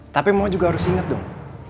tapi mama juga harus ingat dong